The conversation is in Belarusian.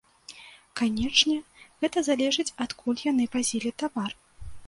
Канечне, гэта залежыць, адкуль яны вазілі тавар.